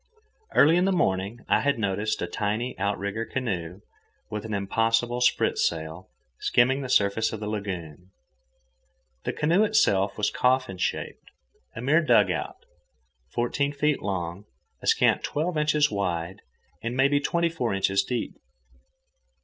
Early in the morning I had noticed a tiny outrigger canoe, with an impossible spritsail, skimming the surface of the lagoon. The canoe itself was coffin shaped, a mere dugout, fourteen feet long, a scant twelve inches wide, and maybe twenty four inches deep.